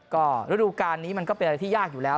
ก็ฤดูการนี้มันก็เป็นอะไรที่ยากอยู่แล้ว